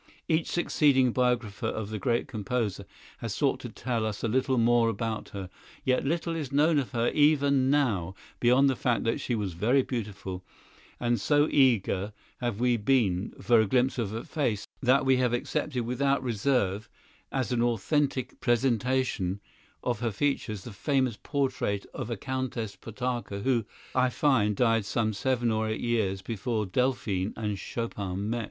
Each succeeding biographer of the great composer has sought to tell us a little more about her—yet little is known of her even now beyond the fact that she was very beautiful—and so eager have we been for a glimpse of her face that we have accepted without reserve as an authentic presentment of her features the famous portrait of a Countess Potocka who, I find, died some seven or eight years before Delphine and Chopin met.